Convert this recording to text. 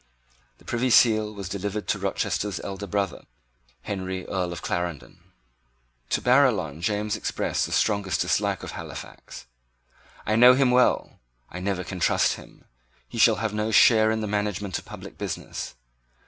The Privy Seal was delivered to Rochester's elder brother, Henry Earl of Clarendon. To Barillon James expressed the strongest dislike of Halifax. "I know him well, I never can trust him. He shall have no share in the management of public business.